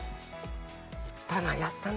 行ったなやったな。